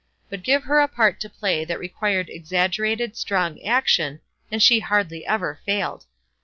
But give her a part to play that required exaggerated, strong action, and she hardly ever failed.